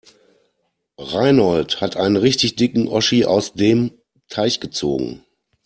Reinhold hat einen richtig dicken Oschi aus dem Teich gezogen.